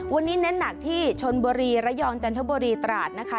วันนี้เน้นหนักที่ชนบุรีระยองจันทบุรีตราดนะคะ